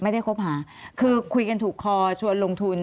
คบหาคือคุยกันถูกคอชวนลงทุน